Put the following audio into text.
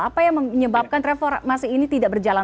apa yang menyebabkan reformasi ini tidak berjalan